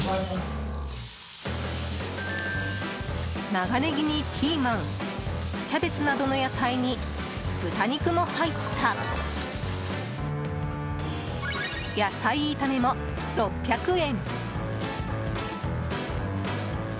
長ネギにピーマンキャベツなどの野菜に豚肉も入った野菜炒めも６００円。